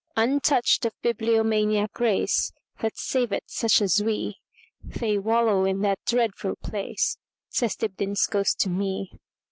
Untouched of bibliomaniac grace, That saveth such as we, They wallow in that dreadful place,"Says Dibdin's ghost to me.